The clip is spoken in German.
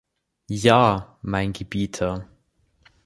Ja, mein Gebieter!